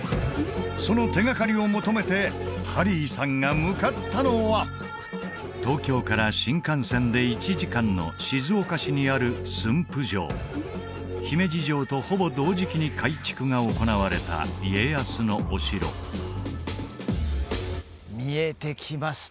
その手がかりを求めてハリーさんが向かったのは東京から新幹線で１時間の静岡市にある駿府城姫路城とほぼ同時期に改築が行われた家康のお城見えてきました